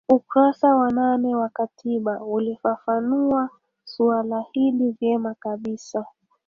ukurasa wa nane wa katiba ulifafanua suala hili vyema kabisa